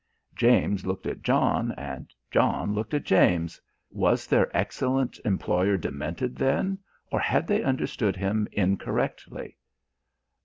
James looked at John and John looked at James. Was their excellent employer demented, then, or had they understood him incorrectly?